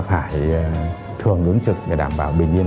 phải thường đúng trực để đảm bảo bình yên